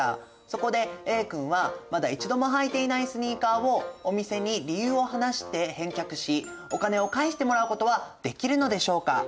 そこでＡ君はまだ一度も履いていないスニーカーをお店に理由を話して返却しお金を返してもらうことはできるのでしょうか？